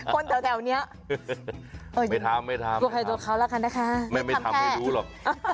คนแถวเนี้ยไม่ทำไม่ทำไม่ทำไม่ทำให้ดูหรอก